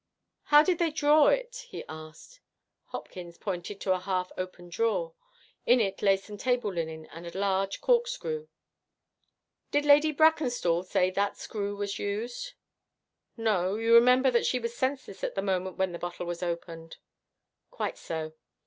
'How did they draw it?' he asked. Hopkins pointed to a half opened drawer. In it lay some table linen and a large corkscrew. 'Did Lady Brackenstall say that screw was used?' 'No, you remember that she was senseless at the moment when the bottle was opened.' 'Quite so.